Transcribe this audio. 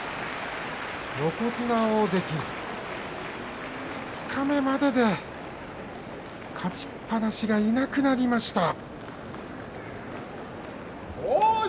横綱大関、二日目までで勝ちっぱなしがいなくなりました。